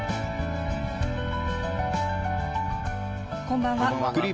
こんばんは。